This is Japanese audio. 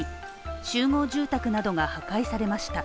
集合住宅などが破壊されました。